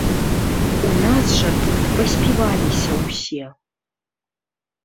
У нас жа тут паспіваліся ўсе.